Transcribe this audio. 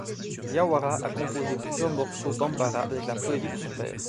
Diawara a composé plusieurs morceaux bambara avec la poésie de son père.